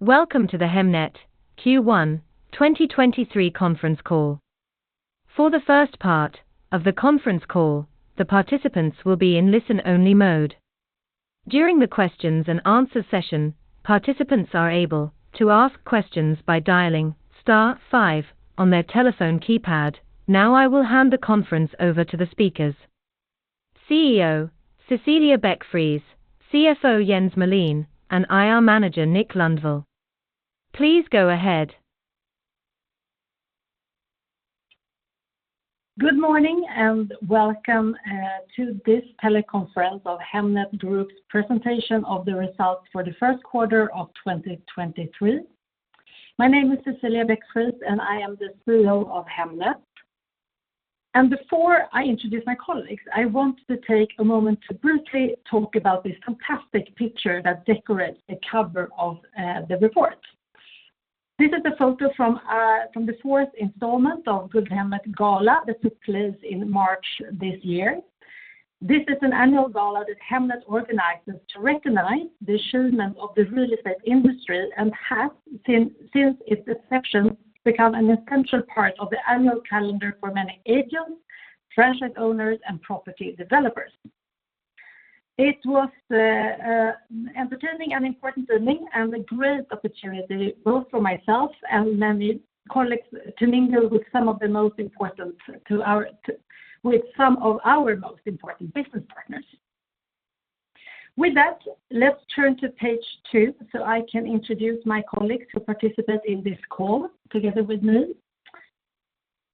Welcome to the Hemnet Q1 2023 Conference Call. For the first part of the conference call, the participants will be in listen-only mode. During the questions and answer session, participants are able to ask questions by dialing star five on their telephone keypad. I will hand the conference over to the speakers, CEO Cecilia Beck-Friis, CFO Jens Melin, and IR Manager Nick Lundvall. Please go ahead. Good morning, and welcome to this teleconference of Hemnet Group's presentation of the results for the first quarter of 2023. My name is Cecilia Beck-Friis, and I am the CEO of Hemnet. Before I introduce my colleagues, I want to take a moment to briefly talk about this fantastic picture that decorates the cover of the report. This is a photo from the fourth installment of Guldhemmet Gala that took place in March this year. This is an annual gala that Hemnet organizes to recognize the achievement of the real estate industry and has since its inception, become an essential part of the annual calendar for many agents, franchise owners, and property developers. It was an entertaining and important evening and a great opportunity both for myself and many colleagues to mingle with some of our most important business partners. Let's turn to page two, so I can introduce my colleagues who participate in this call together with me.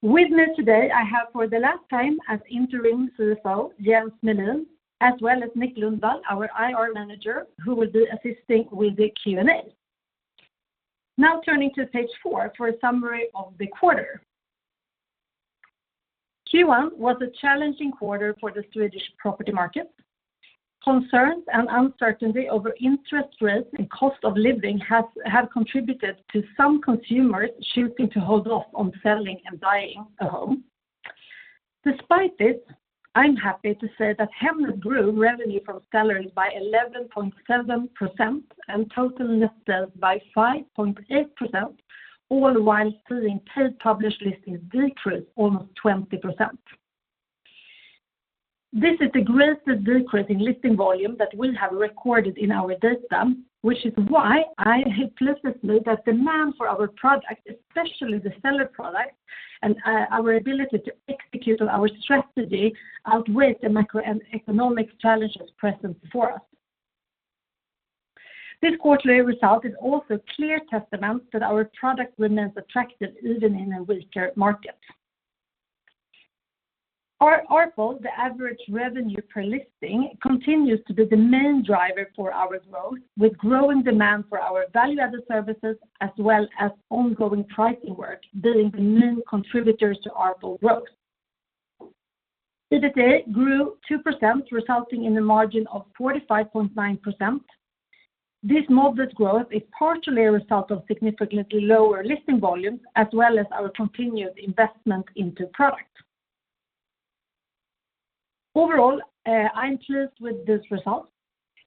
With me today, I have for the last time as Interim CFO, Jens Melin, as well as Nick Lundvall, our IR Manager, who will be assisting with the Q&A. Turning to page four for a summary of the quarter. Q1 was a challenging quarter for the Swedish property market. Concerns and uncertainty over interest rates and cost of living have contributed to some consumers choosing to hold off on selling and buying a home. Despite this, I'm happy to say that Hemnet grew revenue from sellers by 11.7% and total net sales by 5.8%, all while seeing paid published listings decrease almost 20%. This is the greatest decrease in listing volume that we have recorded in our data, which is why I have confidence that demand for our product, especially the seller product and our ability to execute on our strategy, outweigh the macro and economic challenges present before us. This quarterly result is also clear testament that our product remains attractive even in a weaker market. Our ARPL, the average revenue per listing, continues to be the main driver for our growth, with growing demand for our value-added services as well as ongoing pricing work being the main contributors to ARPL growth. EBITDA grew 2%, resulting in a margin of 45.9%. This modest growth is partially a result of significantly lower listing volumes, as well as our continued investment into product. Overall, I'm pleased with this result,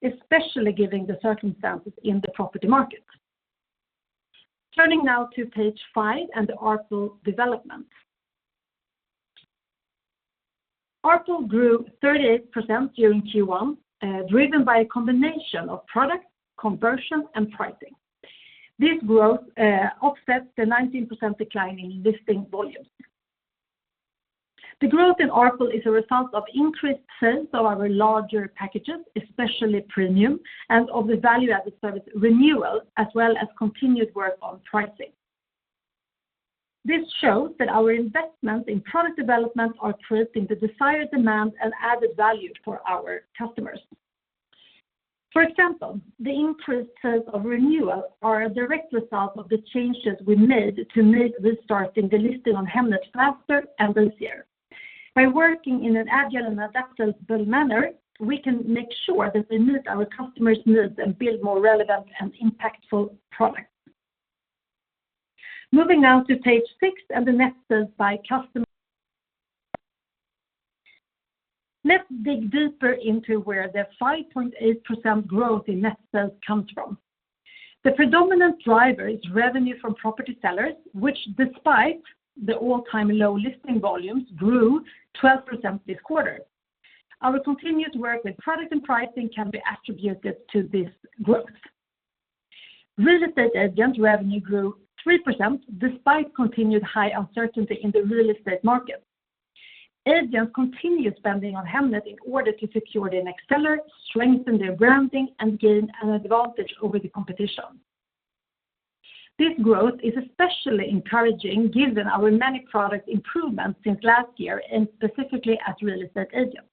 especially given the circumstances in the property market. Turning now to page five and the ARPL development. ARPL grew 38% during Q1, driven by a combination of product conversion and pricing. This growth offsets the 19% decline in listing volumes. The growth in ARPL is a result of increased sales of our larger packages, especially premium, and of the value-added service renewal, as well as continued work on pricing. This shows that our investments in product development are creating the desired demand and added value for our customers. For example, the increased sales of renewal are a direct result of the changes we made to make restarting the listing on Hemnet faster and easier. By working in an agile and adaptable manner, we can make sure that we meet our customers' needs and build more relevant and impactful products. Moving now to page six and the net sales by customer. [inaudible] Let's dig deeper into where the 5.8% growth in net sales comes from. The predominant driver is revenue from property sellers, which despite the all-time low listing volumes, grew 12% this quarter. Our continued work with product and pricing can be attributed to this growth. Real estate agents' revenue grew 3% despite continued high uncertainty in the real estate market. Agents continue spending on Hemnet in order to secure their next seller, strengthen their branding, and gain an advantage over the competition. This growth is especially encouraging given our many product improvements since last year and specifically as real estate agents.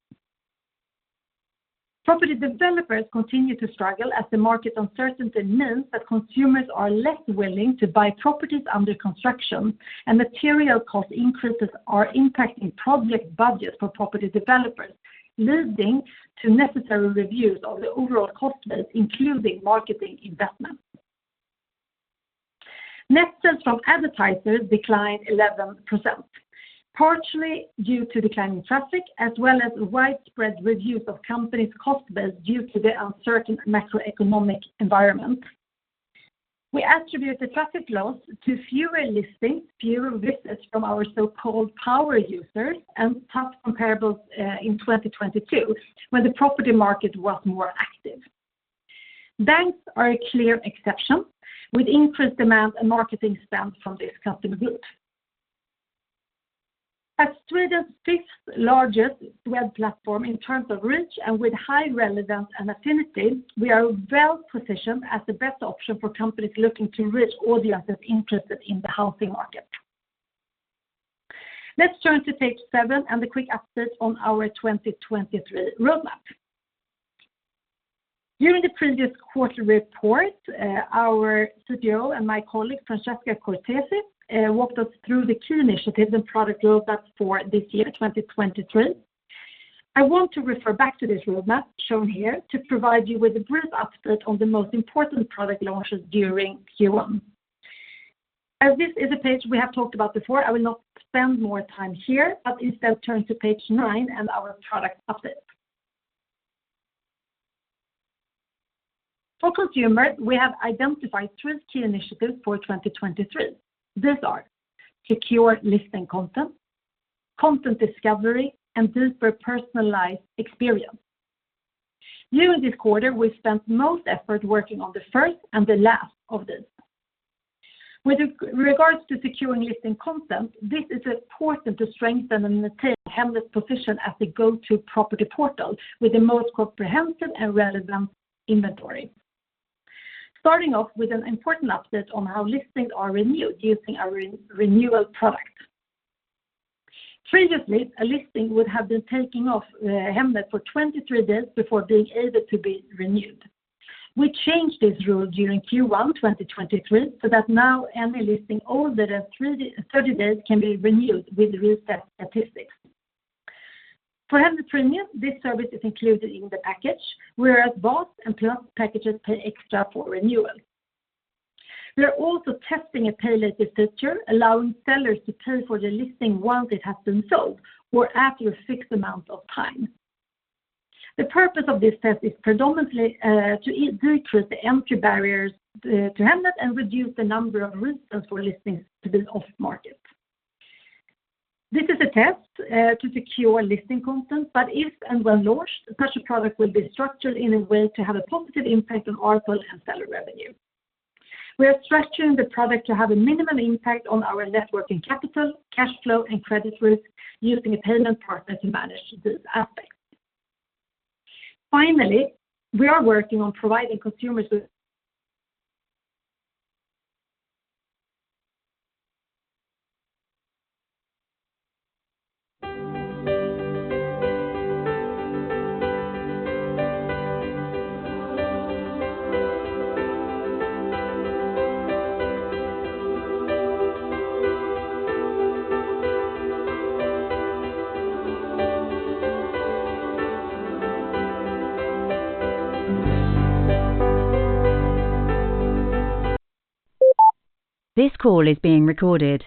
Property developers continue to struggle as the market uncertainty means that consumers are less willing to buy properties under construction, and material cost increases are impacting project budgets for property developers, leading to necessary reviews of the overall cost base, including marketing investments. Net sales from advertisers declined 11%, partially due to declining traffic as well as widespread reviews of companies cost base due to the uncertain macroeconomic environment. We attribute the traffic loss to fewer listings, fewer visits from our so-called power users, and tough comparables in 2022, when the property market was more active. Banks are a clear exception, with increased demand and marketing spend from this customer group. As Sweden's fifth largest web platform in terms of reach and with high relevance and affinity, we are well-positioned as the best option for companies looking to reach audiences interested in the housing market. Let's turn to page seven and the quick update on our 2023 roadmap. During the previous quarter report, our CTO and my colleague, Francesca Cortesi, walked us through the key initiatives and product roadmap for this year, 2023. I want to refer back to this roadmap shown here to provide you with a brief update on the most important product launches during Q1. As this is a page we have talked about before, I will not spend more time here, but instead turn to page 9 and our product update. For consumers, we have identified three key initiatives for 2023. These are secure listing content discovery, and deeper personalized experience. During this quarter, we spent most effort working on the first and the last of these. With regards to securing listing content, this is important to strengthen and maintain Hemnet's position as the go-to property portal with the most comprehensive and relevant inventory. Starting off with an important update on how listings are renewed using our re-renewal product. Previously, a listing would have been taken off Hemnet for 23 days before being able to be renewed. We changed this rule during Q1 2023, so that now any listing older than 30 days can be renewed with reset statistics. For Hemnet Premium, this service is included in the package, whereas VAS and Plus packages pay extra for renewal. We are also testing a pay later feature, allowing sellers to pay for the listing once it has been sold or after a fixed amount of time. The purpose of this test is predominantly to reduce the entry barriers to Hemnet and reduce the number of reasons for listings to be off-market. This is a test to secure listing content, but if and when launched, such a product will be structured in a way to have a positive impact on ARPU and seller revenue. We are structuring the product to have a minimum impact on our net working capital, cash flow, and credit risk using a payment partner to manage these aspects. Finally, we are working on providing consumers with... [inaudible] This call is being recorded.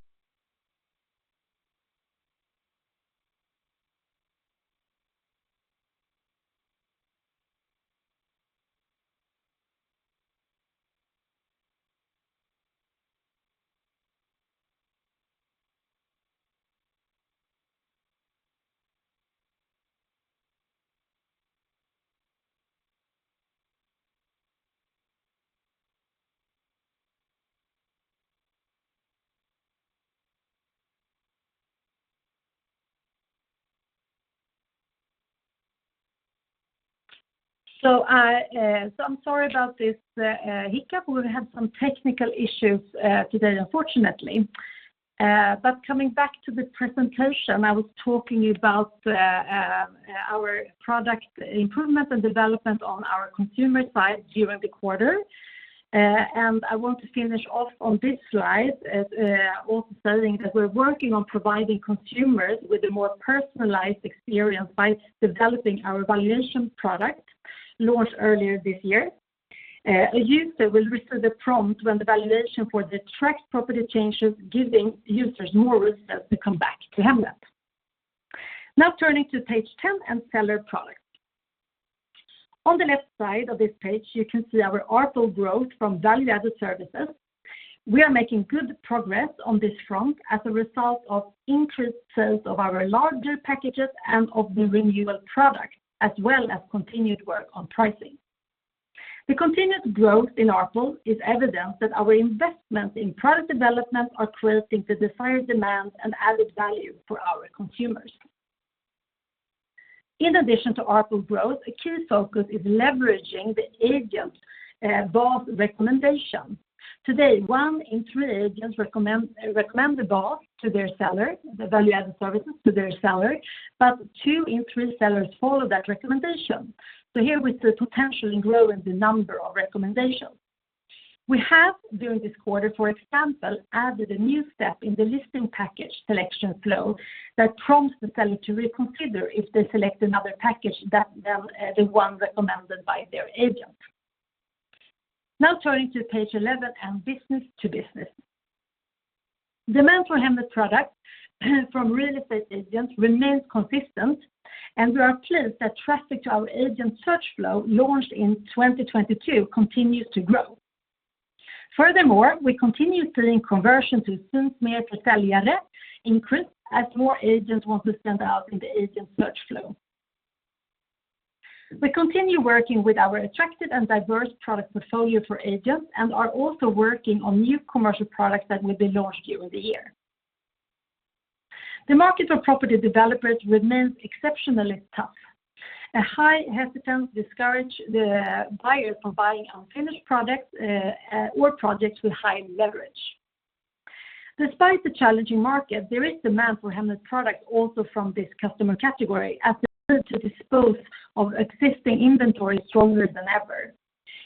I'm sorry about this hiccup. We've had some technical issues today, unfortunately. Coming back to the presentation, I was talking about our product improvement and development on our consumer side during the quarter. I want to finish off on this slide, also saying that we're working on providing consumers with a more personalized experience by developing our valuation product launched earlier this year. A user will receive a prompt when the valuation for the tracked property changes, giving users more reasons to come back to Hemnet. Now turning to page 10 and seller products. On the left side of this page, you can see our ARPU growth from value-added services. We are making good progress on this front as a result of increased sales of our larger packages and of the renewal product, as well as continued work on pricing. The continued growth in ARPU is evidence that our investments in product development are creating the desired demand and added value for our consumers. In addition to ARPU growth, a key focus is leveraging the agent VAS recommendation. Today, one in three agents recommend a VAS to their seller, the value-added services to their seller, but two in three sellers follow that recommendation. Here we see potential in growing the number of recommendations. We have, during this quarter, for example, added a new step in the listing package selection flow that prompts the seller to reconsider if they select another package than the one recommended by their agent. Turning to page 11 and business to business. Demand for Hemnet's products from real estate agents remains consistent, and we are pleased that traffic to our agent search flow launched in 2022 continues to grow. We continue seeing conversion to Syns Mer för Säljare increase as more agents want to stand out in the agent search flow. We continue working with our attractive and diverse product portfolio for agents and are also working on new commercial products that will be launched during the year. The market for property developers remains exceptionally tough. A high hesitance discourage the buyers from buying unfinished products or projects with high leverage. Despite the challenging market, there is demand for Hemnet product also from this customer category as the need to dispose of existing inventory is stronger than ever.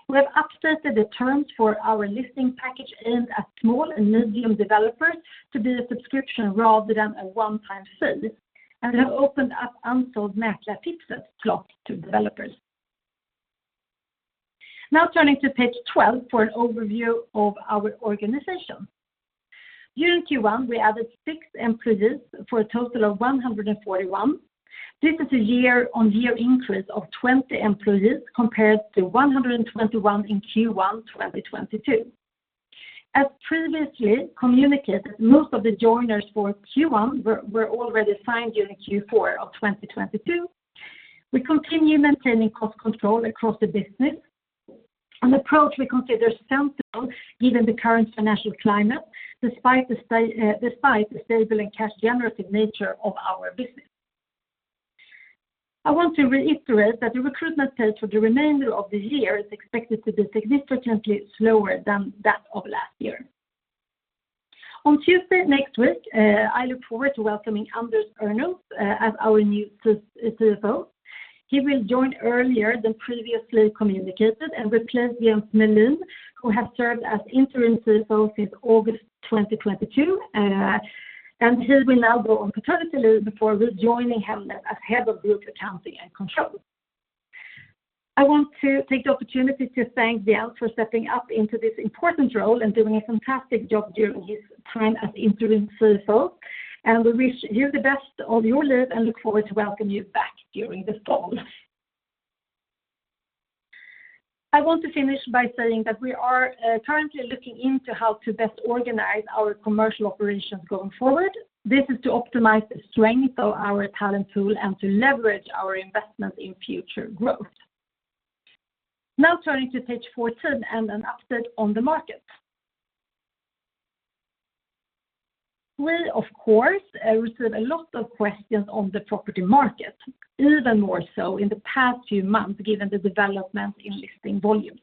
We have updated the terms for our listing package aimed at small and medium developers to be a subscription rather than a one-time fee, we have opened up unsold Mäklartips slot to developers. Turning to page 12 for an overview of our organization. During Q1, we added six employees for a total of 141. This is a year-on-year increase of 20 employees compared to 121 in Q1, 2022. As previously communicated, most of the joiners for Q1 were already signed during Q4 of 2022. We continue maintaining cost control across the business, an approach we consider central given the current financial climate despite the stable and cash generative nature of our business. I want to reiterate that the recruitment pace for the remainder of the year is expected to be significantly slower than that of last year. On Tuesday next week, I look forward to welcoming Anders Örnulf as our new CFO. He will join earlier than previously communicated and replace Jens Melin, who has served as interim CFO since August 2022, and he will now go on paternity leave before rejoining Hemnet as head of group accounting and control. I want to take the opportunity to thank Jens for stepping up into this important role and doing a fantastic job during his time as interim CFO. We wish you the best on your leave and look forward to welcome you back during the fall. I want to finish by saying that we are currently looking into how to best organize our commercial operations going forward. This is to optimize the strength of our talent pool and to leverage our investment in future growth. Turning to page 14 and an update on the market. We, of course, receive a lot of questions on the property market, even more so in the past few months, given the development in listing volumes.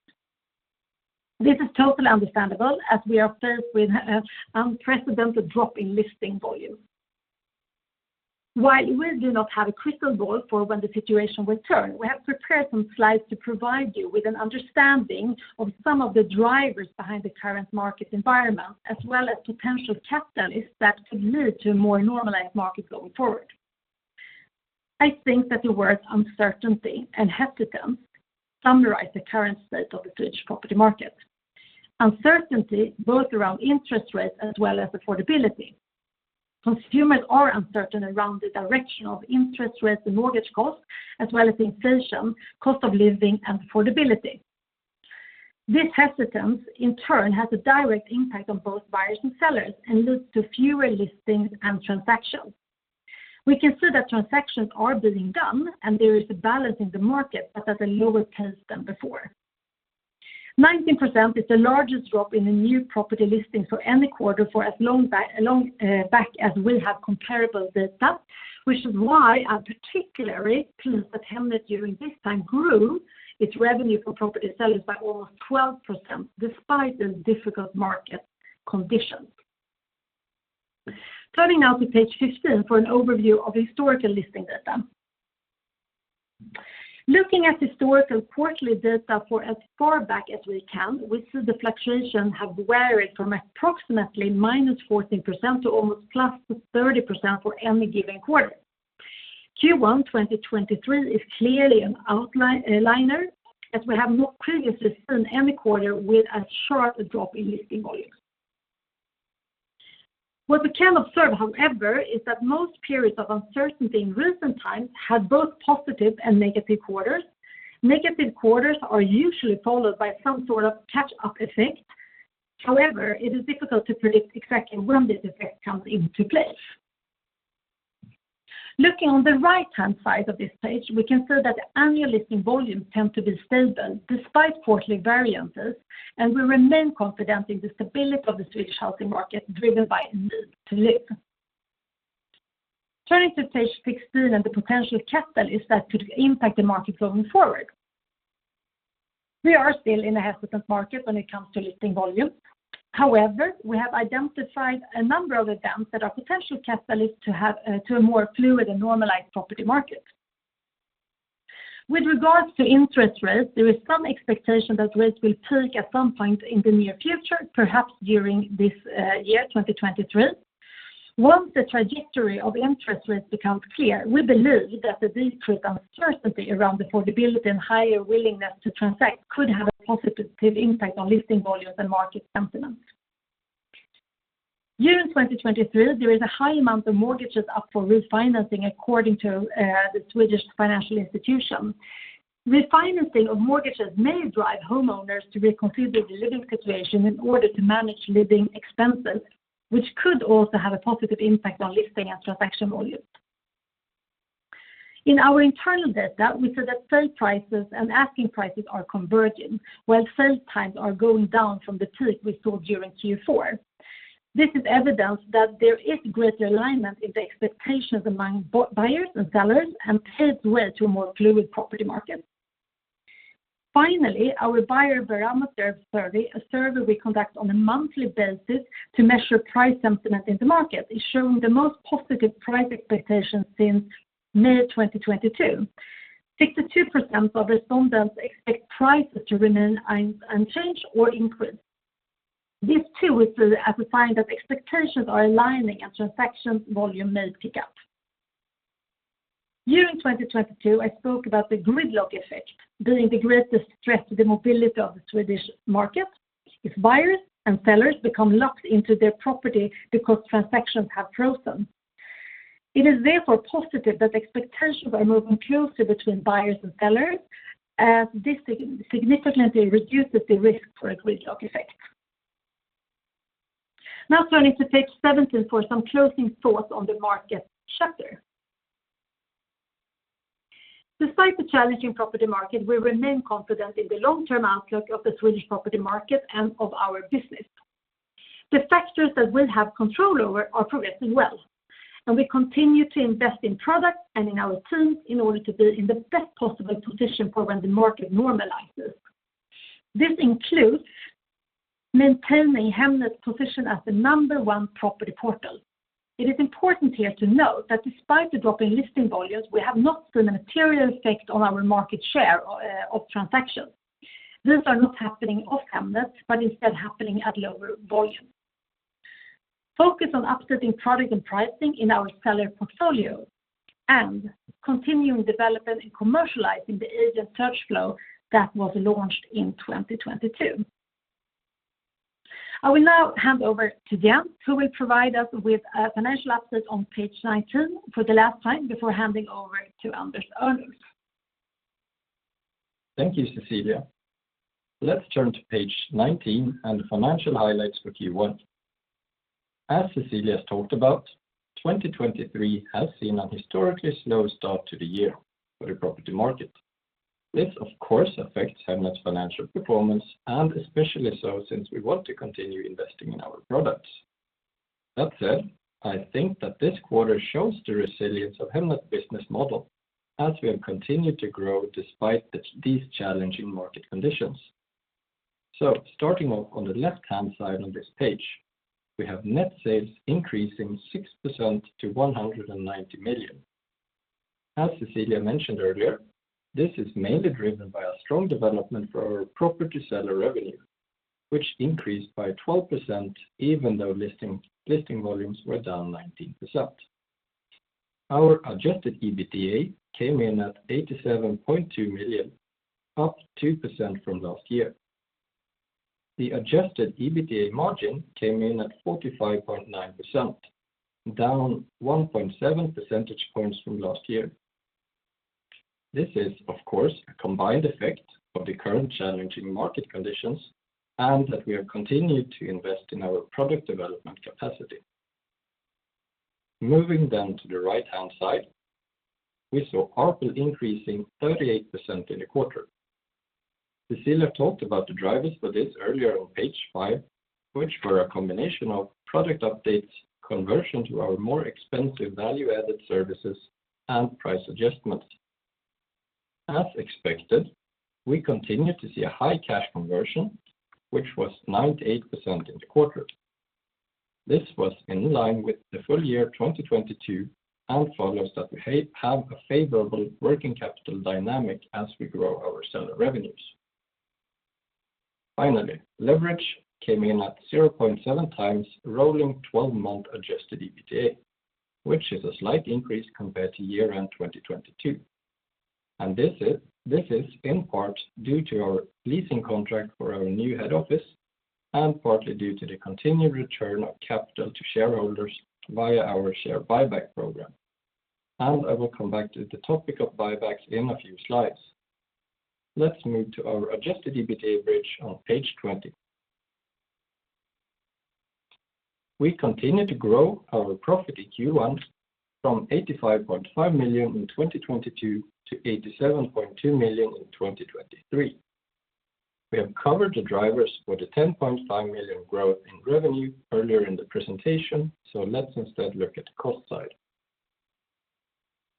This is totally understandable as we are faced with a unprecedented drop in listing volumes. While we do not have a crystal ball for when the situation will turn, we have prepared some slides to provide you with an understanding of some of the drivers behind the current market environment, as well as potential catalysts that could lead to a more normalized market going forward. I think that the words uncertainty and hesitance summarize the current state of the Swedish property market. Uncertainty both around interest rates as well as affordability. Consumers are uncertain around the direction of interest rates and mortgage costs, as well as inflation, cost of living and affordability. This hesitance, in turn, has a direct impact on both buyers and sellers and leads to fewer listings and transactions. We can see that transactions are being done, and there is a balance in the market, but at a lower pace than before. 19% is the largest drop in the new property listings for any quarter for as long as long back as we have comparable data, which is why I'm particularly pleased that Hemnet during this time grew its revenue for property sellers by almost 12% despite the difficult market conditions. Turning now to page 15 for an overview of historical listing data. Looking at historical quarterly data for as far back as we can, we see the fluctuation have varied from approximately -14% to almost +30% for any given quarter. Q1 2023 is clearly an outlier as we have not previously seen any quarter with as sharp a drop in listing volumes. What we can observe, however, is that most periods of uncertainty in recent times had both positive and negative quarters. Negative quarters are usually followed by some sort of catch-up effect. It is difficult to predict exactly when this effect comes into place. Looking on the right-hand side of this page, we can see that annual listing volumes tend to be stable despite quarterly variances, and we remain confident in the stability of the Swedish housing market driven by need to live. Turning to page 16 and the potential catalysts that could impact the market going forward. We are still in a hesitant market when it comes to listing volumes. We have identified a number of events that are potential catalysts to have to a more fluid and normalized property market. With regards to interest rates, there is some expectation that rates will peak at some point in the near future, perhaps during this year, 2023. Once the trajectory of interest rates becomes clear, we believe that the decreased uncertainty around affordability and higher willingness to transact could have a positive impact on listing volumes and market sentiment. During 2023, there is a high amount of mortgages up for refinancing according to Finansinspektionen. Refinancing of mortgages may drive homeowners to reconsider their living situation in order to manage living expenses, which could also have a positive impact on listing and transaction volumes. In our internal data, we see that sale prices and asking prices are converging, while sale times are going down from the peak we saw during Q4. This is evidence that there is greater alignment in the expectations among buyers and sellers and pave the way to a more fluid property market. Our buyer barometer survey, a survey we conduct on a monthly basis to measure price sentiment in the market, is showing the most positive price expectations since May 2022. 62% of respondents expect prices to remain unchanged or increase. This, too, we see as a sign that expectations are aligning and transaction volume may pick up. During 2022, I spoke about the gridlock effect being the greatest threat to the mobility of the Swedish market if buyers and sellers become locked into their property because transactions have frozen. It is therefore positive that expectations are moving closer between buyers and sellers, as this significantly reduces the risk for a gridlock effect. Turning to page 17 for some closing thoughts on the market chapter. Despite the challenging property market, we remain confident in the long-term outlook of the Swedish property market and of our business. The factors that we'll have control over are progressing well, and we continue to invest in products and in our teams in order to be in the best possible position for when the market normalizes. This includes maintaining Hemnet's position as the number one property portal. It is important here to note that despite the drop in listing volumes, we have not seen a material effect on our market share of transactions. These are not happening off Hemnet, but instead happening at lower volumes. Focus on upselling product and pricing in our seller portfolio and continuing development and commercializing the agent search flow that was launched in 2022. I will now hand over to Jens, who will provide us with a financial update on page 19 for the last time before handing over to Anders Örnulf. Thank you, Cecilia. Let's turn to page 19 and the financial highlights for Q1. As Cecilia's talked about, 2023 has seen a historically slow start to the year for the property market. This of course affects Hemnet's financial performance, and especially so since we want to continue investing in our products. That said, I think that this quarter shows the resilience of Hemnet's business model as we have continued to grow despite these challenging market conditions. Starting off on the left-hand side on this page, we have net sales increasing 6% to 190 million. As Cecilia mentioned earlier, this is mainly driven by a strong development for our property seller revenue, which increased by 12% even though listing volumes were down 19%. Our adjusted EBITDA came in at 87.2 million, up 2% from last year. The adjusted EBITDA margin came in at 45.9%, down 1.7 percentage points from last year. This is, of course, a combined effect of the current challenging market conditions and that we have continued to invest in our product development capacity. Moving to the right-hand side, we saw ARPU increasing 38% in the quarter. Cecilia talked about the drivers for this earlier on page five, which were a combination of product updates, conversion to our more expensive value-added services, and price adjustments. As expected, we continued to see a high cash conversion, which was 98% in the quarter. This was in line with the full year 2022 and follows that we have a favorable working capital dynamic as we grow our seller revenues. Finally, leverage came in at 0.7 times rolling 12-month adjusted EBITDA, which is a slight increase compared to year-end 2022. This is in part due to our leasing contract for our new head office and partly due to the continued return of capital to shareholders via our share buyback program. I will come back to the topic of buybacks in a few slides. Let's move to our adjusted EBITDA bridge on page 20. We continued to grow our profit in Q1 from 85.5 million in 2022 to 87.2 million in 2023. We have covered the drivers for the 10.5 million growth in revenue earlier in the presentation, let's instead look at the cost side.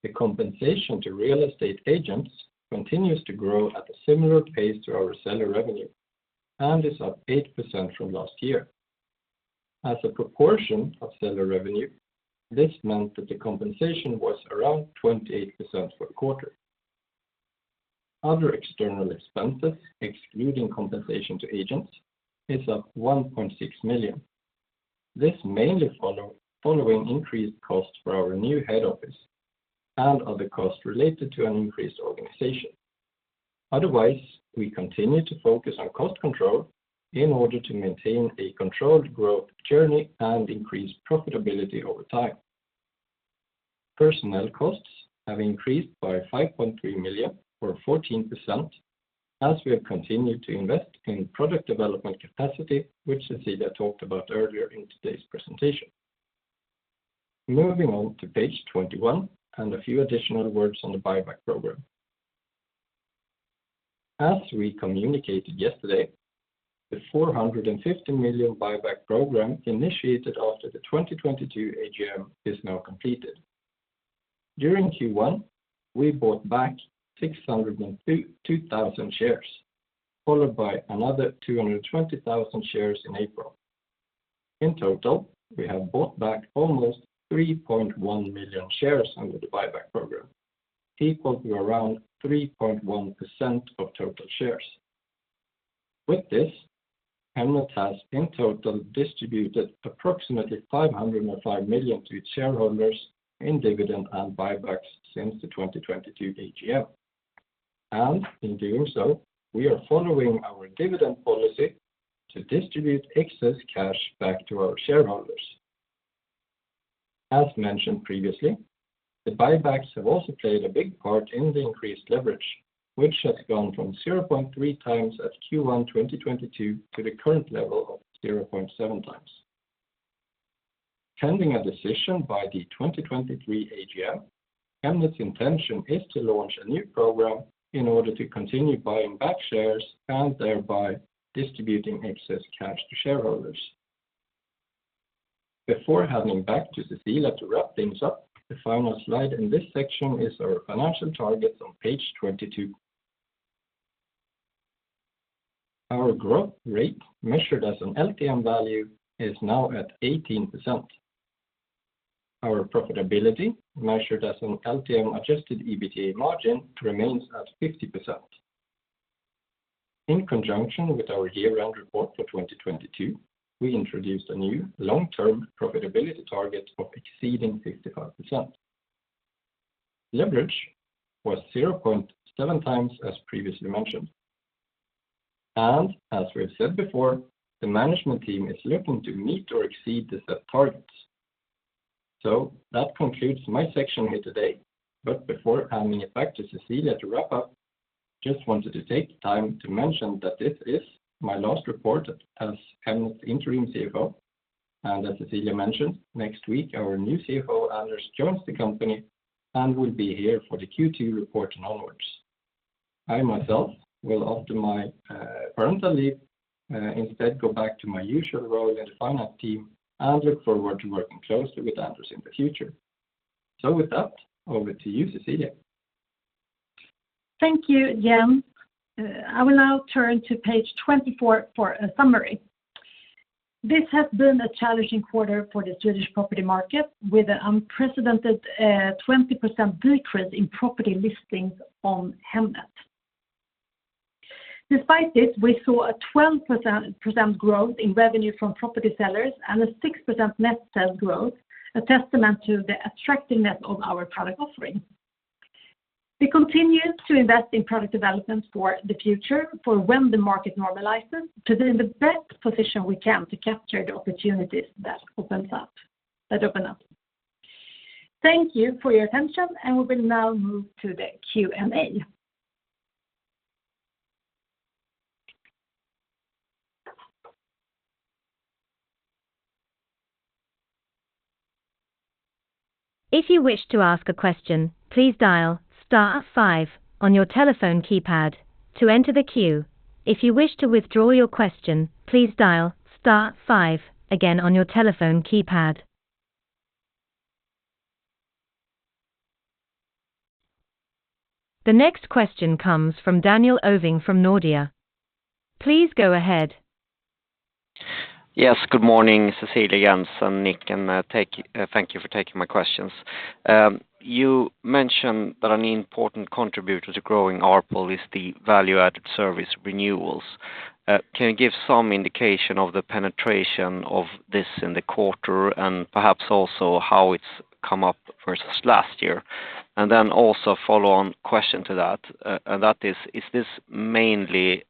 The compensation to real estate agents continues to grow at a similar pace to our seller revenue and is up 8% from last year. As a proportion of seller revenue, this meant that the compensation was around 28% for the quarter. Other external expenses, excluding compensation to agents, is up 1.6 million. This mainly following increased costs for our new head office and other costs related to an increased organization. Otherwise, we continue to focus on cost control in order to maintain a controlled growth journey and increase profitability over time. Personnel costs have increased by 5.3 million or 14% as we have continued to invest in product development capacity, which Cecilia talked about earlier in today's presentation. Moving on to page 21 and a few additional words on the buyback program. As we communicated yesterday, the 450 million buyback program initiated after the 2022 AGM is now completed. During Q1, we bought back 602,000 shares, followed by another 220,000 shares in April. In total, we have bought back almost 3.1 million shares under the buyback program, equal to around 3.1% of total shares. With this, Hemnet has in total distributed approximately 505 million to its shareholders in dividend and buybacks since the 2022 AGM. In doing so, we are following our dividend policy to distribute excess cash back to our shareholders. As mentioned previously, the buybacks have also played a big part in the increased leverage, which has gone from 0.3x at Q1 2022 to the current level of 0.7x. Pending a decision by the 2023 AGM, Hemnet's intention is to launch a new program in order to continue buying back shares and thereby distributing excess cash to shareholders. Before handing back to Cecilia to wrap things up, the final slide in this section is our financial targets on page 22. Our growth rate measured as an LTM value is now at 18%. Our profitability measured as an LTM adjusted EBITA margin remains at 50%. In conjunction with our year-round report for 2022, we introduced a new long-term profitability target of exceeding 65%. Leverage was 0.7x as previously mentioned. As we have said before, the management team is looking to meet or exceed the set targets. That concludes my section here today. Before handing it back to Cecilia to wrap up, just wanted to take time to mention that this is my last report as Hemnet's interim CFO. As Cecilia mentioned, next week, our new CFO, Anders, joins the company and will be here for the Q2 report onwards. I myself will after my parental leave instead go back to my usual role in the finance team and look forward to working closely with Anders in the future. With that, over to you, Cecilia. Thank you, Jens. I will now turn to page 24 for a summary. This has been a challenging quarter for the Swedish property market with an unprecedented 20% decrease in property listings on Hemnet. Despite this, we saw a 12% growth in revenue from property sellers and a 6% net sales growth, a testament to the attractiveness of our product offering. We continue to invest in product development for the future for when the market normalizes to be in the best position we can to capture the opportunities that open up. Thank you for your attention, and we will now move to the Q&A. If you wish to ask a question, please dial star five on your telephone keypad to enter the queue. If you wish to withdraw your question, please dial star five again on your telephone keypad. The next question comes from Daniel Ovin from Nordea. Please go ahead. Yes, good morning, Cecilia, Jens, and Nick, thank you for taking my questions. You mentioned that an important contributor to growing ARPL is the value-added service renewals. Can you give some indication of the penetration of this in the quarter and perhaps also how it's come up versus last year? Also follow-on question to that, and that is this mainly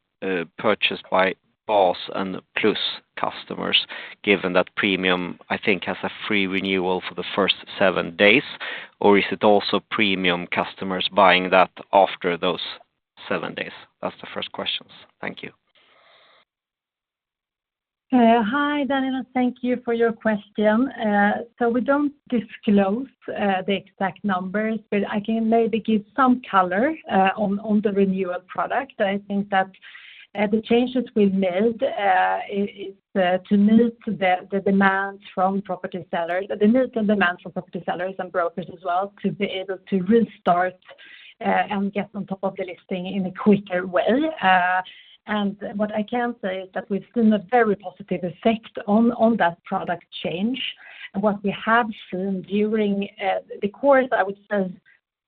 purchased by Bas and Plus customers, given that Premium, I think, has a free renewal for the first seven days? Or is it also Premium customers buying that after those seven days? That's the first questions. Thank you. Hi, Daniel, thank you for your question. We don't disclose the exact numbers, but I can maybe give some color on the renewal product. I think that the changes we've made is to meet the demands from property sellers and brokers as well to be able to restart and get on top of the listing in a quicker way. What I can say is that we've seen a very positive effect on that product change. What we have seen during the course, I would say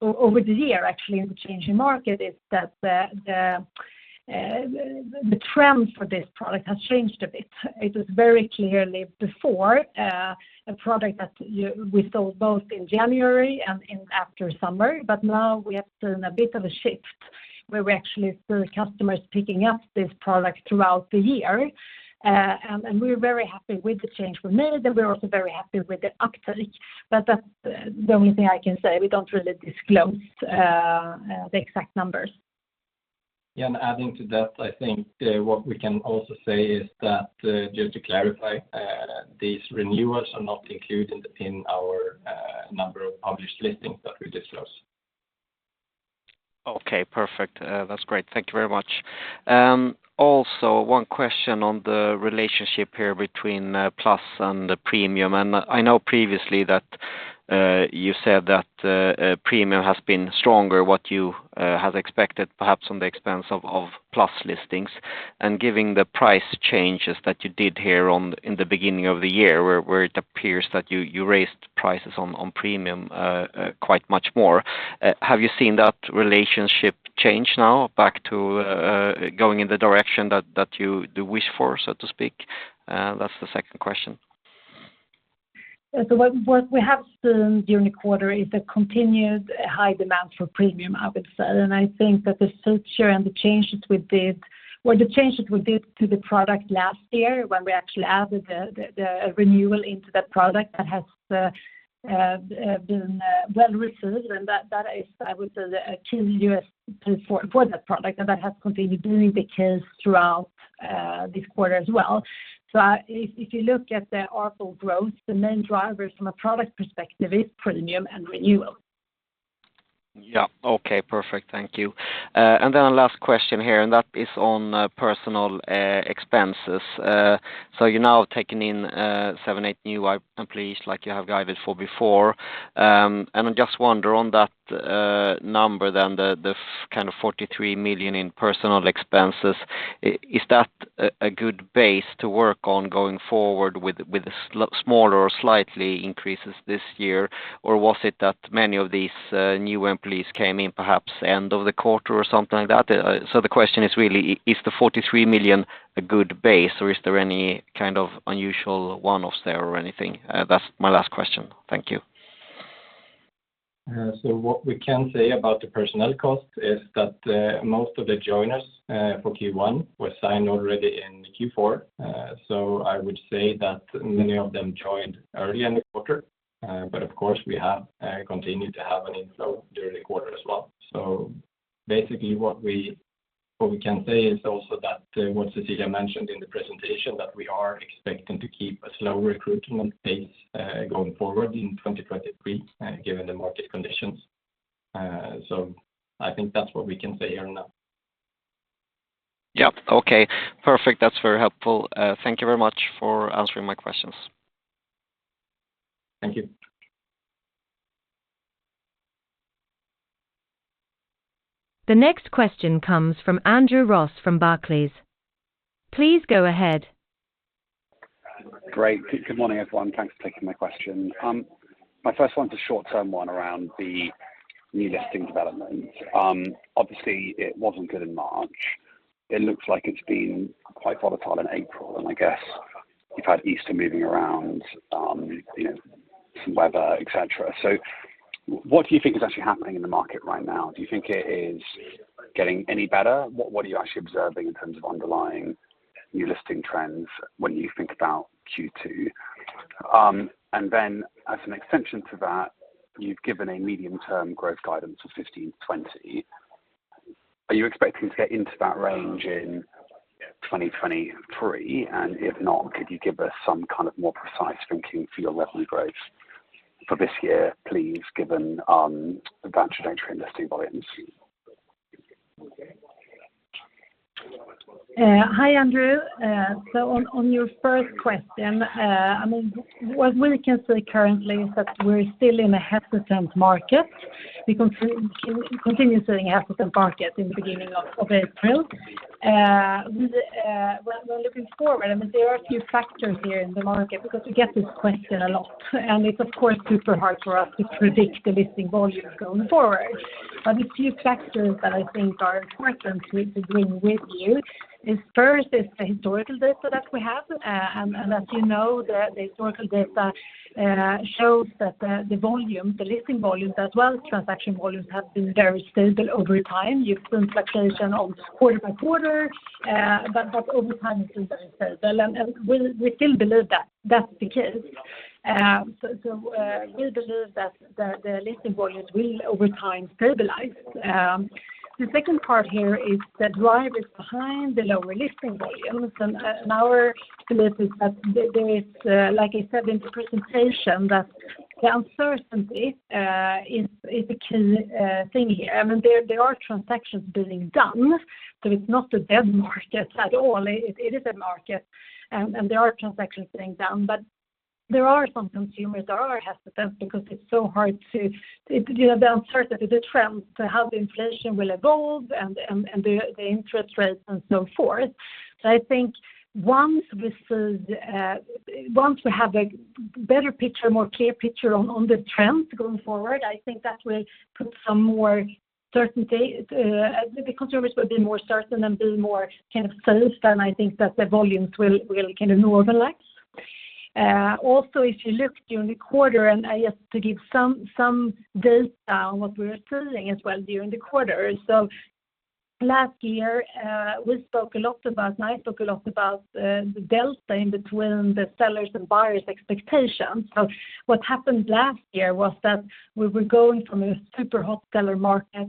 over the year actually in the changing market is that the trend for this product has changed a bit. It was very clearly before a product that we sold both in January and in after summer. Now we have seen a bit of a shift where we actually see customers picking up this product throughout the year. We're very happy with the change we made, and we're also very happy with the uptake. That's the only thing I can say. We don't really disclose the exact numbers. Yeah. Adding to that, I think, what we can also say is that, just to clarify, these renewals are not included in our number of published listings that we disclose. Okay, perfect. That's great. Thank you very much. Also one question on the relationship here between Plus and the Premium. I know previously that you said that Premium has been stronger, what you had expected perhaps on the expense of Plus listings. Given the price changes that you did here in the beginning of the year where it appears that you raised prices on Premium quite much more, have you seen that relationship change now back to going in the direction that you do wish for, so to speak? That's the second question. What we have seen during the quarter is a continued high demand for Premium, I would say. I think that the structure and the changes we did to the product last year when we actually added the renewal into that product that has been well received. That is, I would say the key for that product. That has continued doing because throughout this quarter as well. If you look at the overall growth, the main drivers from a product perspective is Premium and renewal. Yeah. Okay. Perfect. Thank you. A last question here, and that is on personal expenses. You're now taking in seven, eight new employees like you have guided for before. I just wonder on that number then the kind of 43 million in personal expenses, is that a good base to work on going forward with smaller or slightly increases this year? Was it that many of these new employees came in perhaps end of the quarter or something like that? The question is really is the 43 million a good base, or is there any kind of unusual one-offs there or anything? That's my last question. Thank you. What we can say about the personnel cost is that most of the joiners for Q1 were signed already in Q4. I would say that many of them joined early in the quarter. Of course we have continued to have an inflow during the quarter as well. Basically what we can say is also that what Cecilia mentioned in the presentation that we are expecting to keep a slow recruitment pace going forward in 2023 given the market conditions. I think that's what we can say here now. Yeah. Okay. Perfect. That's very helpful. Thank you very much for answering my questions. Thank you. The next question comes from Andrew Ross from Barclays. Please go ahead. Great. Good morning, everyone. Thanks for taking my question. My first one is a short-term one around the new listing development. Obviously, it wasn't good in March. It looks like it's been quite volatile in April, and I guess you've had Easter moving around, you know, some weather, etc. What do you think is actually happening in the market right now? Do you think it is getting any better? What, what are you actually observing in terms of underlying new listing trends when you think about Q2? And then as an extension to that, you've given a medium-term growth guidance of 15%-20%. Are you expecting to get into that range in 2023? And if not, could you give us some kind of more precise thinking for your revenue growth for this year, please, given the trajectory in listing volumes? Hi, Andrew. On, on your first question, I mean, what we can say currently is that we're still in a hesitant market. We continue seeing a hesitant market in the beginning of April. When we're looking forward, I mean, there are a few factors here in the market because we get this question a lot, and it's of course super hard for us to predict the listing volumes going forward. A few factors that I think are important to bring with you is first is the historical data that we have. As you know, the historical data shows that the volume, the listing volume as well as transaction volumes have been very stable over time. You've seen fluctuation of quarter by quarter, but over time it's been very stable. We still believe that's the case. We believe that the listing volumes will over time stabilize. The second part here is the drivers behind the lower listing volumes. Our belief is that there is, like I said in the presentation, that the uncertainty is a key thing here. I mean, there are transactions being done, so it's not a dead market at all. It is a market, and there are transactions being done, but there are some consumers that are hesitant because it's so hard to the uncertainty, the trend to how the inflation will evolve and the interest rates and so forth. I think once this is once we have a Better picture, more clear picture on the trend going forward. I think that will put some more certainty, the consumers will be more certain and be more kind of sales, I think that the volumes will kind of normalize. If you look during the quarter, and I have to give some data on what we are seeing as well during the quarter. Last year, we spoke a lot about, and I spoke a lot about, the delta in between the sellers' and buyers' expectations. What happened last year was that we were going from a super hot seller market,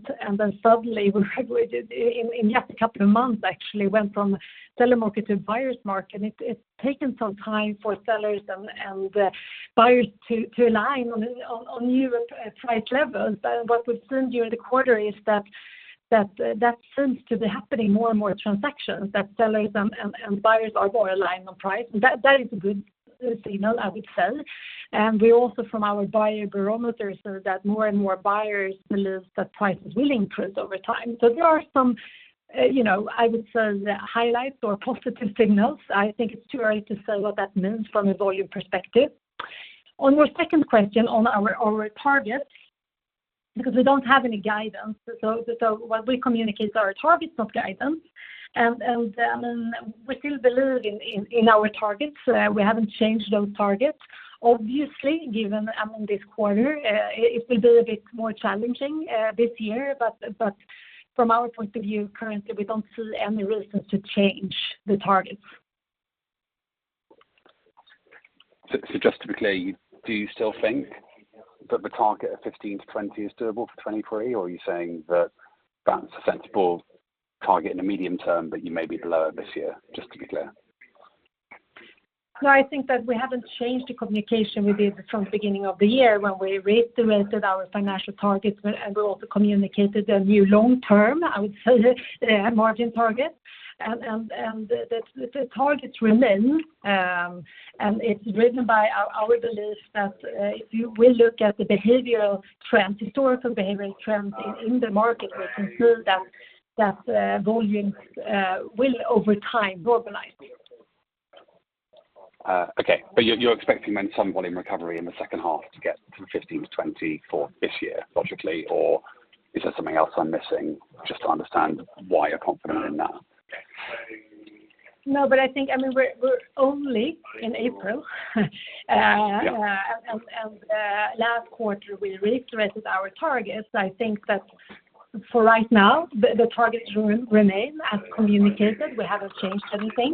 suddenly we in just a couple of months actually went from seller market to buyers' market. It's taken some time for sellers and buyers to align on new price levels. What we've seen during the quarter is that seems to be happening more and more transactions that sellers and buyers are more aligned on price. That is a good signal, I would say. We also from our Buyer Barometer saw that more and more buyers believe that prices will improve over time. There are some, you know, I would say highlights or positive signals. I think it's too early to say what that means from a volume perspective. On your second question on our targets, because we don't have any guidance. What we communicate are targets, not guidance. We still believe in our targets. We haven't changed those targets. Obviously, given among this quarter, it will be a bit more challenging this year. From our point of view, currently, we don't see any reasons to change the targets. So just to be clear, do you still think that the target of 15%-20% is doable for 2023? Are you saying that that's a sensible target in the medium term, but you may be below it this year? Just to be clear. No, I think that we haven't changed the communication we did from beginning of the year when we reiterated our financial targets and we also communicated a new long term, I would say, margin target. The targets remain. It's driven by our belief that, if you will look at the behavioral trends, historical behavioral trends in the market, we can see that volumes will over time normalize. Okay. You're expecting then some volume recovery in the second half to get to 15%-20% for this year, logically? Is there something else I'm missing just to understand why you're confident in that? No, I think I mean, we're only in April. Yeah. Last quarter, we reiterated our targets. I think that for right now, the targets remain as communicated. We haven't changed anything.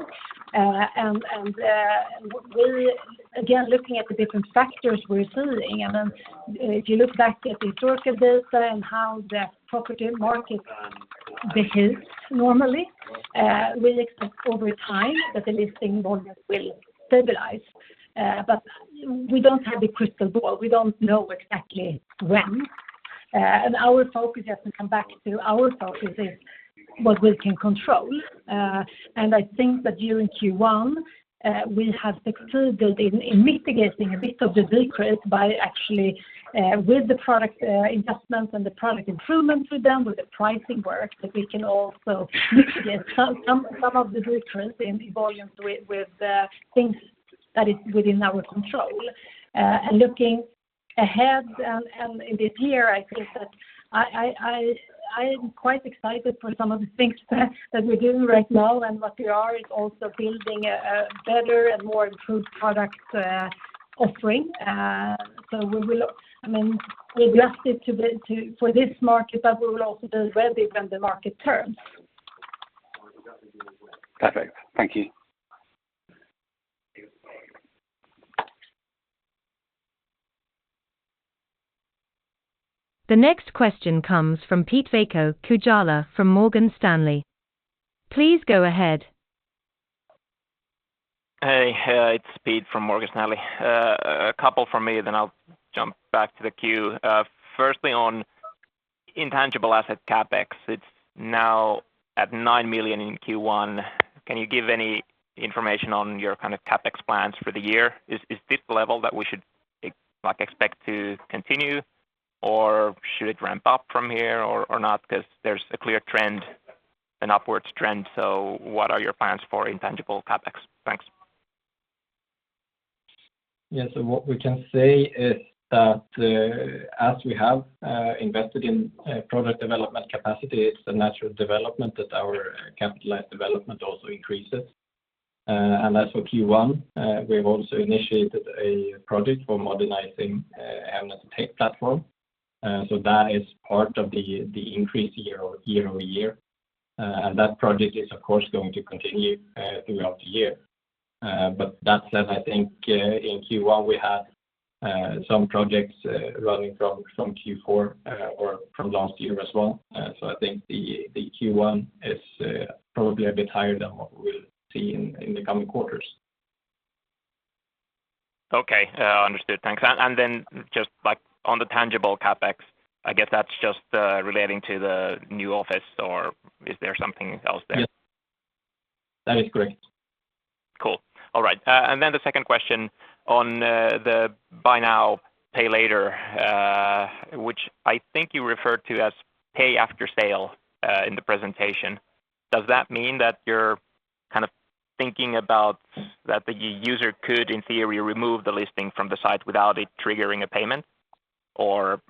We again, looking at the different factors we're seeing. If you look back at the historical data and how the property market behaves normally, we expect over time that the listing volumes will stabilize. We don't have a crystal ball. We don't know exactly when. Our focus, just to come back to our focus, is what we can control. I think that during Q1, we have succeeded in mitigating a bit of the decrease by actually with the product investments and the product improvements we've done with the pricing work, that we can also mitigate some of the decrease in volumes with things that is within our control. Looking ahead and this year, I think that I am quite excited for some of the things that we're doing right now and what we are is also building a better and more improved product offering. We will, I mean, we adapt it to for this market, but we will also build ready when the market turns. Perfect. Thank you. The next question comes from Pete-Veikko Kujala from Morgan Stanley. Please go ahead. Hey, it's Pete from Morgan Stanley. A couple from me. I'll jump back to the queue. Firstly, on intangible asset CapEx, it's now at 9 million in Q1. Can you give any information on your kind of CapEx plans for the year? Is this the level that we should expect to continue, or should it ramp up from here or not? There's a clear trend, an upwards trend. What are your plans for intangible CapEx? Thanks. Yeah. What we can say is that, as we have invested in product development capacity, it's a natural development that our capitalized development also increases. And as for Q1, we have also initiated a project for modernizing Annonsera tech platform. That is part of the increase year-over-year. And that project is, of course, going to continue throughout the year. But that said, I think, in Q1, we had some projects running from Q4 or from last year as well. I think the Q1 is probably a bit higher than what we'll see in the coming quarters. Okay. understood. Thanks. Then just like on the tangible CapEx, I guess that's just relating to the new office or is there something else there? Yes. That is correct. Cool. All right. The second question on the buy now, pay later, Which I think you referred to as pay after sale in the presentation. Does that mean that you're kind of thinking about that the user could, in theory, remove the listing from the site without it triggering a payment? Or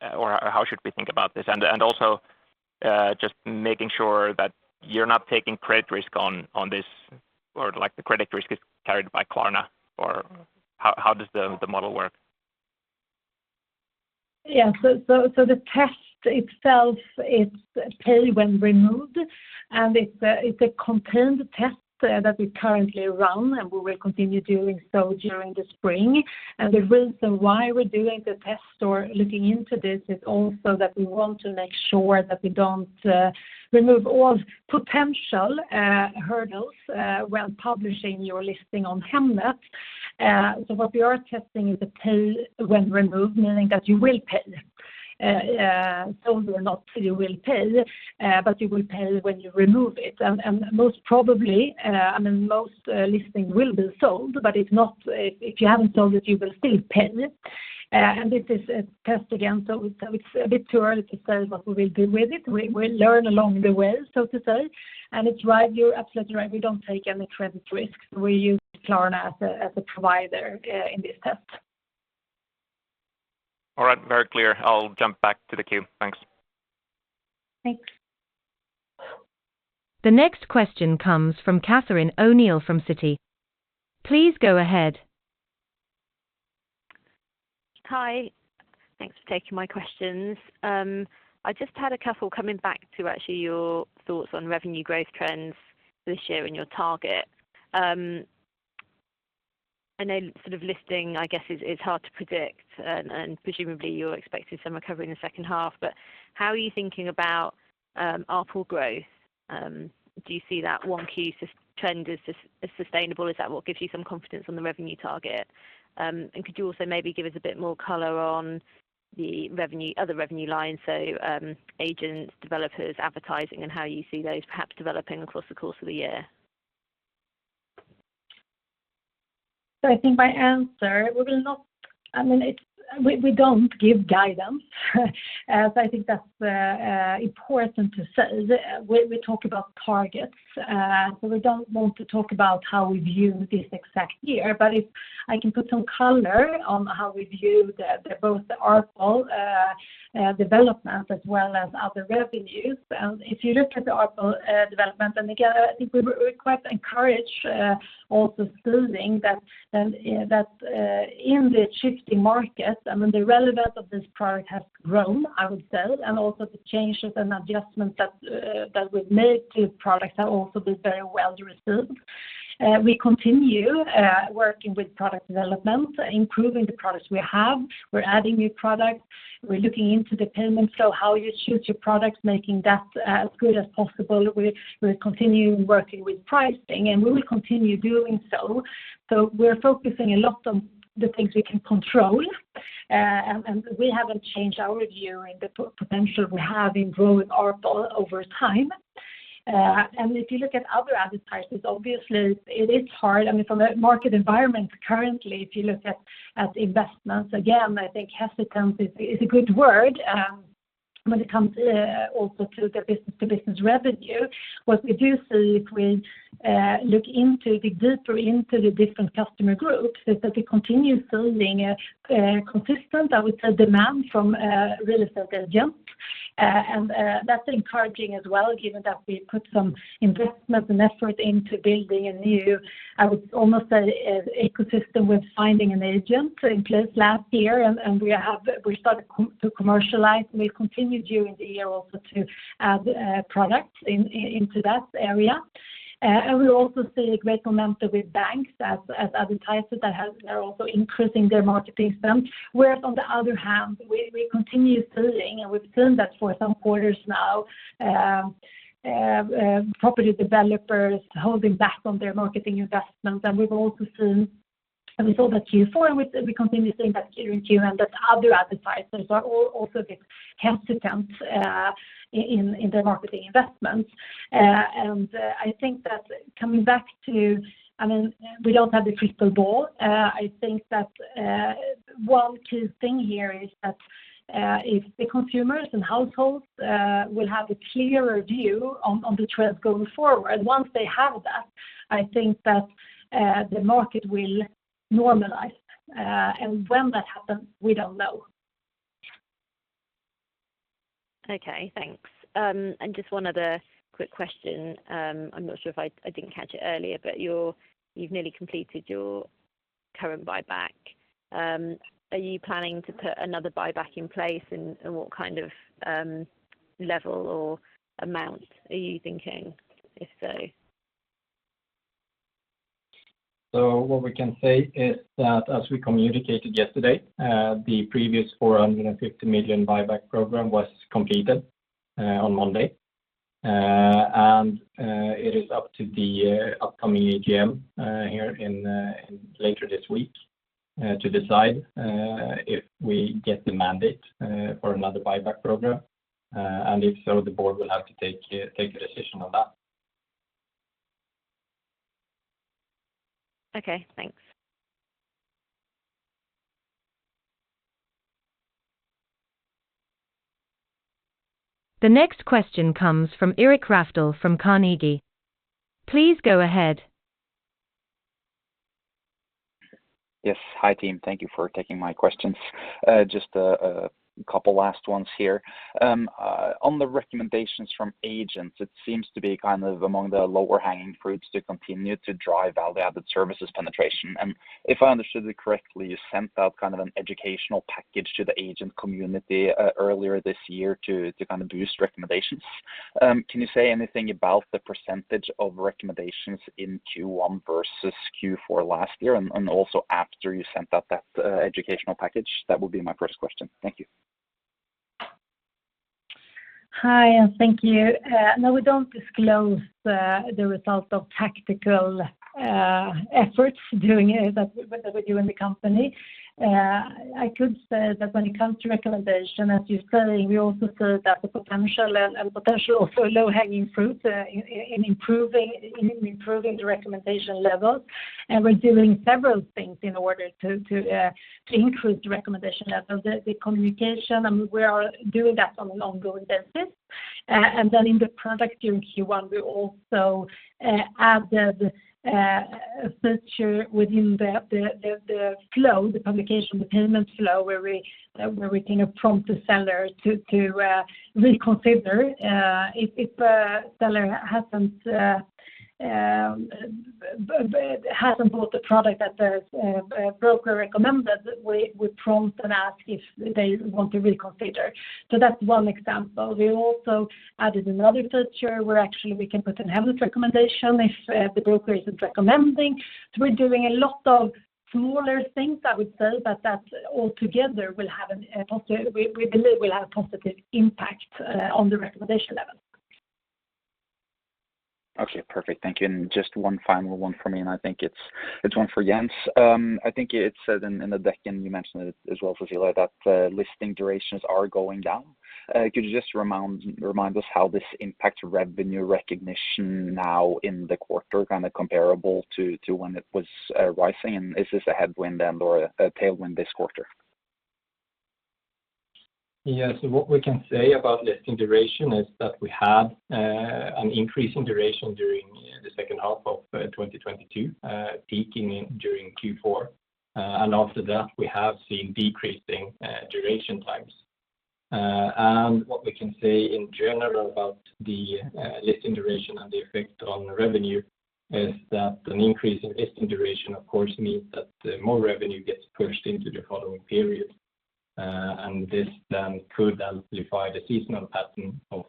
how should we think about this? Also, just making sure that you're not taking credit risk on this, or, like, the credit risk is carried by Klarna, or how does the model work? Yeah. The test itself is pay when removed, and it's a contained test that we currently run, and we will continue doing so during the spring. The reason why we're doing the test or looking into this is also that we want to make sure that we don't remove all potential hurdles when publishing your listing on Hemnet. What we are testing is a pay when removed, meaning that you will pay. Sold or not, you will pay, but you will pay when you remove it. Most probably, I mean, most listing will be sold, but if not, if you haven't sold it, you will still pay. This is a test again, so it's a bit too early to say what we will do with it. We'll learn along the way, so to say. It's right, you're absolutely right. We don't take any credit risk. We use Klarna as a provider in this test. All right, very clear. I'll jump back to the queue. Thanks. Thanks. The next question comes from Catherine O'Neill from Citi. Please go ahead. Hi. Thanks for taking my questions. I just had a couple coming back to actually your thoughts on revenue growth trends this year and your target. I know sort of listing, I guess, is hard to predict, and presumably you're expecting some recovery in the second half. How are you thinking about ARPL growth? Do you see that one key trend as sustainable? Is that what gives you some confidence on the revenue target? Could you also maybe give us a bit more color on the revenue, other revenue lines, so, agents, developers, advertising, and how you see those perhaps developing across the course of the year? we will not... I mean, it's... We, we don't give guidance, but I think that's important to say. We talk about targets, so we don't want to talk about how we view this exact year. But if I can put some color on how we view both the ARPL development as well as other revenues. If you look at the ARPL development, and again, I think we quite encourage also assuming that in the shifting market, I mean, the relevance of this product has grown, I would say. And also the changes and adjustments that we've made to products have also been very well received. We continue working with product development, improving the products we have. We're adding new products We're looking into the payments, so how you choose your products, making that as good as possible. We're continuing working with pricing, and we will continue doing so. We're focusing a lot on the things we can control. We haven't changed our view in the potential we have in growing ARPL over time. If you look at other advertisers, obviously it is hard. I mean, from a market environment currently, if you look at investments, again, I think hesitant is a good word, when it comes also to the business-to-business revenue. We do see if we look into dig deeper into the different customer groups is that we continue seeing a consistent, I would say, demand from real estate agents. That's encouraging as well, given that we put some investment and effort into building a new, I would almost say, ecosystem with finding an agent in place last year. We started to commercialize, and we've continued during the year also to add products into that area. We also see great momentum with banks as advertisers that they're also increasing their marketing spend. Whereas on the other hand, we continue seeing, and we've seen that for some quarters now, property developers holding back on their marketing investments. We saw that Q4, and we continue seeing that during Q1, that other advertisers are also a bit hesitant in their marketing investments. I think that coming back to, I mean, we don't have a crystal ball. I think that, one key thing here is that, if the consumers and households, will have a clearer view on the trends going forward. Once they have that, I think that, the market will normalize. When that happens, we don't know. Okay, thanks. Just one other quick question. I'm not sure if I didn't catch it earlier, but you've nearly completed your current buyback. Are you planning to put another buyback in place, and what kind of level or amount are you thinking, if so? What we can say is that as we communicated yesterday, the previous 450 million buyback program was completed on Monday. It is up to the upcoming AGM here later this week to decide if we get the mandate for another buyback program. If so, the board will have to take a decision on that. Okay, thanks. The next question comes from Eirik Rafdal from Carnegie. Please go ahead. Yes. Hi, team. Thank you for taking my questions. Just a couple last ones here. On the recommendations from agents, it seems to be kind of among the lower hanging fruits to continue to drive all the added services penetration. If I understood it correctly, you sent out kind of an educational package to the agent community earlier this year to kind of boost recommendations. Can you say anything about the percentage of recommendations in Q1 versus Q4 last year and also after you sent out that educational package? That would be my first question. Thank you. Hi, and thank you. No, we don't disclose the result of tactical efforts doing it that we do in the company. I could say that when it comes to recommendation, as you say, we also see that the potential and potential for low-hanging fruit in improving the recommendation levels. We're doing several things in order to increase the recommendation level. The communication, and we are doing that on an ongoing basis. In the product during Q1, we also added feature within the flow, the publication, the payment flow, where we can prompt the seller to reconsider if a seller hasn't bought the product that the broker recommended, we prompt and ask if they want to reconsider. That's one example. We also added another feature where actually we can put in Hemnet recommendation if the broker isn't recommending. We're doing a lot of smaller things I would say, but that altogether will have a positive impact on the recommendation level. Okay, perfect. Thank you. Just one final one for me, I think it's one for Jens Melin. I think it said in the deck, and you mentioned it as well, Cecilia, that the listing durations are going down. Could you just remind us how this impacts revenue recognition now in the quarter, kinda comparable to when it was rising? Is this a headwind and/or a tailwind this quarter? Yes. What we can say about this duration is that we had an increase in duration during the second half of 2022, peaking in during Q4. After that, we have seen decreasing duration times. What we can say in general about the listing duration and the effect on revenue is that an increase in listing duration, of course, means that more revenue gets pushed into the following period. This then could amplify the seasonal pattern of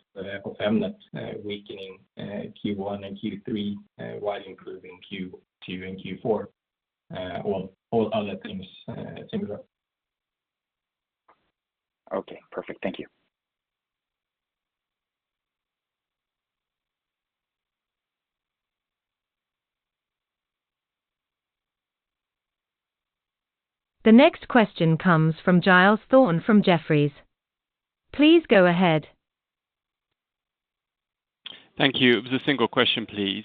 Hemnet weakening Q1 and Q3, while improving Q2 and Q4. All other things similar. Okay, perfect. Thank you. The next question comes from Giles Thorne from Jefferies. Please go ahead. Thank you. It was a single question, please.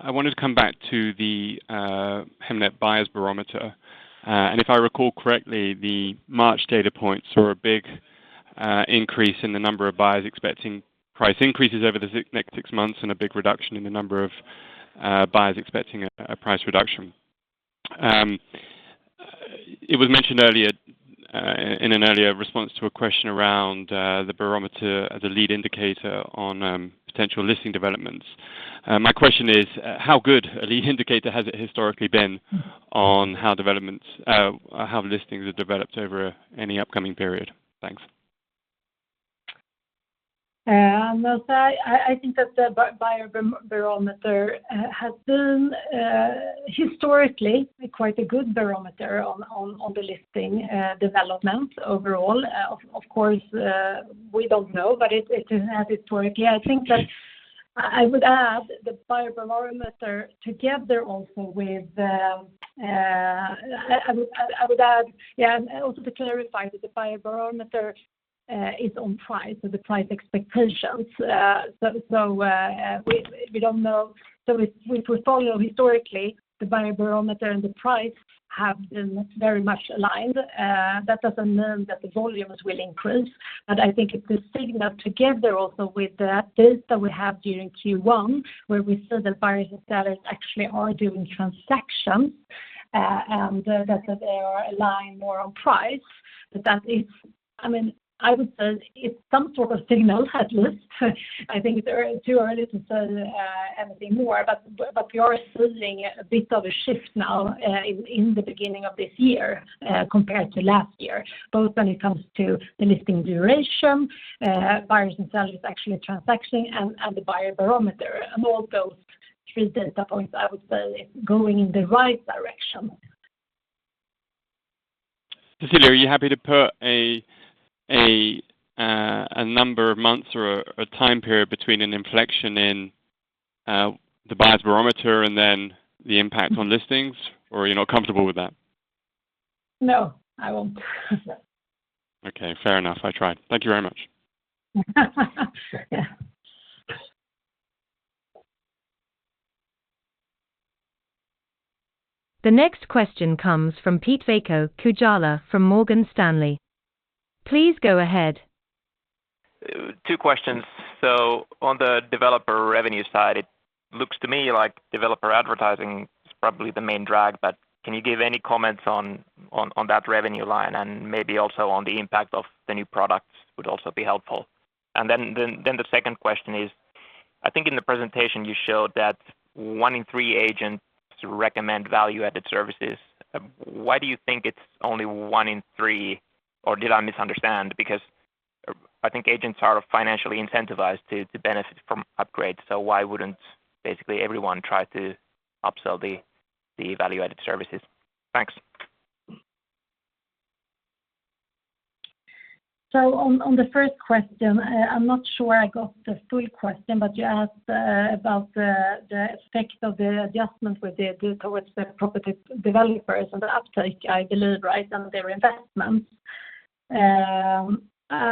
I wanted to come back to the Hemnet Buyers' Barometer. If I recall correctly, the March data points saw a big increase in the number of buyers expecting price increases over the next six months and a big reduction in the number of buyers expecting a price reduction. It was mentioned earlier in an earlier response to a question around the barometer as a lead indicator on potential listing developments. My question is, how good a lead indicator has it historically been on how developments, how listings have developed over any upcoming period? Thanks. I'll say I think that the Buyer Barometer has been historically quite a good barometer on the listing development overall. Of course, we don't know, but it has historically. I think that I would add the Buyer Barometer together also with I would add, yeah, and also to clarify that the Buyer Barometer is on price, so the price expectations. So we don't know. If we follow historically, the Buyer Barometer and the price have been very much aligned. That doesn't mean that the volumes will increase. I think it's a signal together also with the data we have during Q1, where we see that buyers and sellers actually are doing transactions, and that they are aligned more on price. But that is... I mean, I would say it's some sort of signal at least. I think it's too early to say, anything more, but we are seeing a bit of a shift now, in the beginning of this year, compared to last year, both when it comes to the listing duration, buyers and sellers actually transacting and the Buyer Barometer. All those three data points, I would say, is going in the right direction. Cecilia, are you happy to put a number of months or a time period between an inflection in the Buyer Barometer and then the impact on listings? Or are you not comfortable with that? No, I won't. Okay, fair enough. I tried. Thank you very much. Yeah. The next question comes from Pete-Veikko Kujala from Morgan Stanley. Please go ahead. Two questions. On the developer revenue side, it looks to me like developer advertising is probably the main drag, but can you give any comments on that revenue line and maybe also on the impact of the new products would also be helpful. The second question is, I think in the presentation you showed that one in three agents recommend value-added services. Why do you think it's only one in three, or did I misunderstand? Because I think agents are financially incentivized to benefit from upgrades, so why wouldn't basically everyone try to upsell the value-added services? Thanks. On the first question, I'm not sure I got the full question, but you asked about the effect of the adjustment with the towards the property developers and the uptake, I believe, right, on their investments. I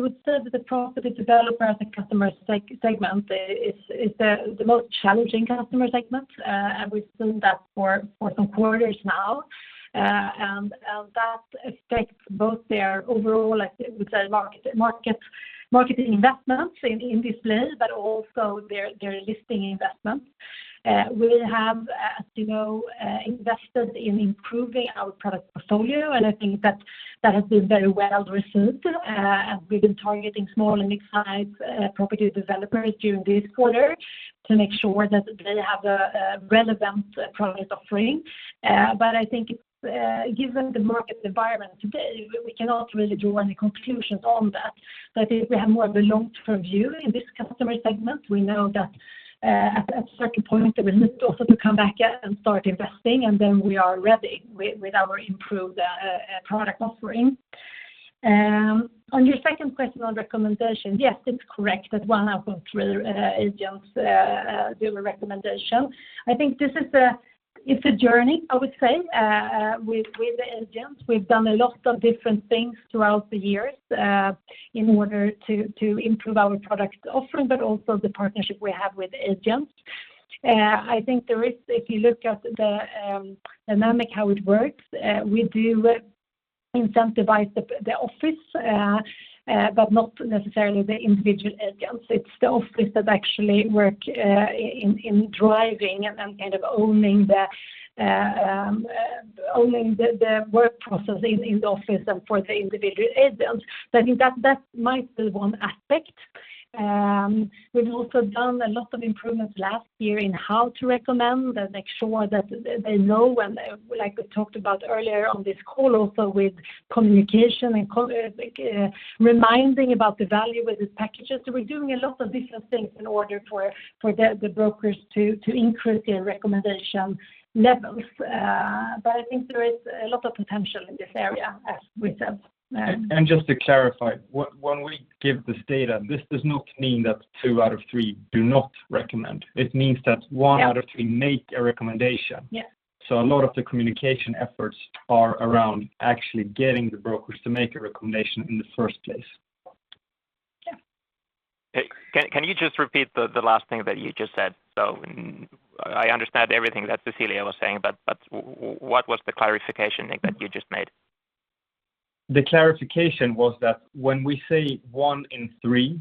would say that the property developer as a customer segment is the most challenging customer segment, and we've seen that for some quarters now. That affects both their overall, like, I would say, market investments in display, but also their listing investments. We have, as you know, invested in improving our product portfolio, and I think that has been very well received. We've been targeting small and midsize property developers during this quarter to make sure that they have the relevant product offering. I think it's given the market environment today, we cannot really draw any conclusions on that. I think we have more of a long-term view in this customer segment. We know that at a certain point, they will also to come back and start investing, and then we are ready with our improved product offering. On your second question on recommendations, yes, it's correct that one out of three agents do a recommendation. I think this is a journey, I would say, with the agents. We've done a lot of different things throughout the years, in order to improve our product offering, but also the partnership we have with agents. I think there is... if you look at the dynamic how it works, we do incentivize the office, but not necessarily the individual agents. It's the office that actually work in driving and kind of owning the work process in the office and for the individual agents. I think that might be one aspect. We've also done a lot of improvements last year in how to recommend and make sure that they know like we talked about earlier on this call also with communication and reminding about the value with these packages. We're doing a lot of different things in order for the brokers to increase their recommendation levels. I think there is a lot of potential in this area as we said. Just to clarify, when we give this data, this does not mean that two out of three do not recommend. It means that one out of three make a recommendation. Yeah. A lot of the communication efforts are around actually getting the brokers to make a recommendation in the first place. Yeah. Hey, can you just repeat the last thing that you just said? I understand everything that Cecilia was saying, but what was the clarification that you just made? The clarification was that when we say one in three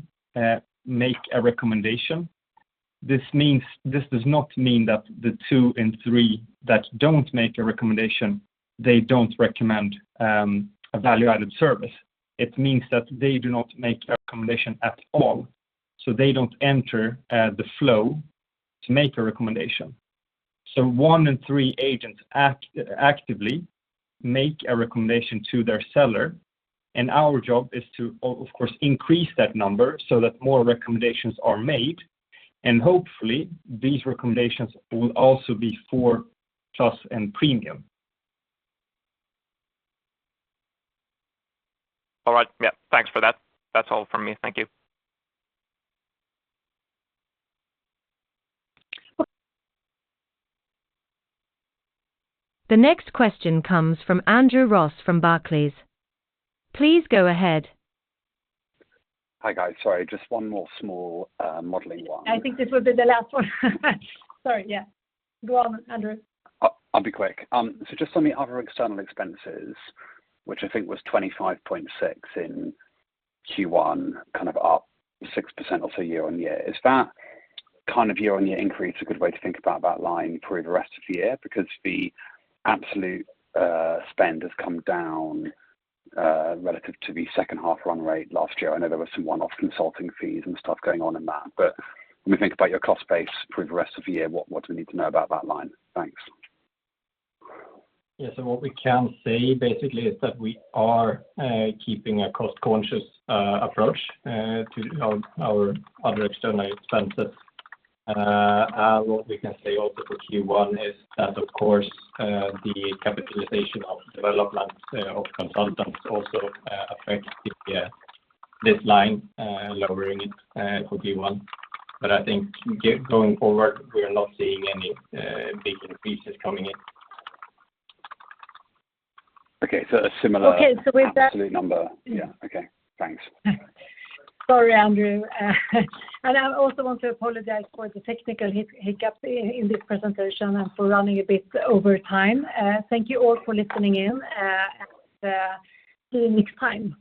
make a recommendation, this does not mean that the two in three that don't make a recommendation, they don't recommend a value-added service. It means that they do not make a recommendation at all. They don't enter the flow to make a recommendation. One in three agents actively make a recommendation to their seller, and our job is to of course increase that number so that more recommendations are made. Hopefully, these recommendations will also be for Plus and Premium. All right. Yeah. Thanks for that. That's all from me. Thank you. The next question comes from Andrew Ross from Barclays. Please go ahead. Hi, guys. Sorry, just one more small modeling one. I think this will be the last one. Sorry, yeah. Go on, Andrew. I'll be quick. Just on the other external expenses, which I think was 25.6 in Q1, kind of up 6% or so year-on-year. Is that kind of year-on-year increase a good way to think about that line through the rest of the year? Because the absolute spend has come down relative to the second half run rate last year. I know there were some one-off consulting fees and stuff going on in that. When we think about your cost base through the rest of the year, what do we need to know about that line? Thanks. What we can say basically is that we are keeping a cost-conscious approach to our other external expenses. What we can say also for Q1 is that of course, the capitalization of development of consultants also affects this line, lowering it for Q1. I think going forward, we are not seeing any big increases coming in. Okay. Okay. With that. absolute number. Yeah. Okay. Thanks. Sorry, Andrew. I also want to apologize for the technical hiccup in this presentation and for running a bit over time. Thank you all for listening in, and see you next time.